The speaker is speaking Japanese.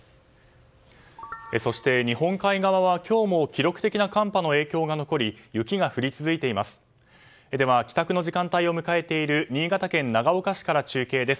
そして日本海側は今日も記録的な寒波の影響が残り雪が降り続いています。